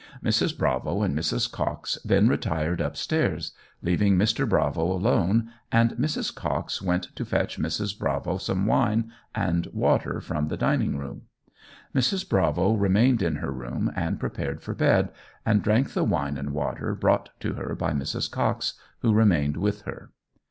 Mrs. Bravo and Mrs. Cox then retired upstairs, leaving Mr. Bravo alone, and Mrs. Cox went to fetch Mrs. Bravo some wine and water from the dining room. Mrs. Bravo remained in her room and prepared for bed, and drank the wine and water brought to her by Mrs. Cox, who remained with her.